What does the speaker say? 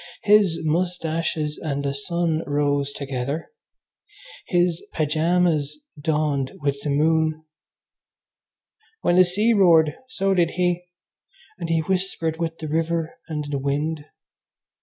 His moustaches and the sun rose together. His pyjamas dawned with the moon. When the sea roared so did he, and he whispered with the river and the wind.